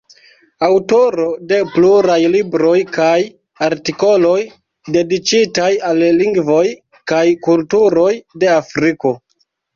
Aŭtoro de pluraj libroj kaj artikoloj dediĉitaj al lingvoj kaj kulturoj de Afriko.